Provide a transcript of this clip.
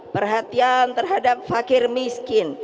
perhatian terhadap fakir miskin